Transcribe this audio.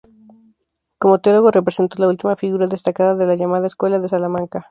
Como teólogo representó la última figura destacada de la llamada Escuela de Salamanca.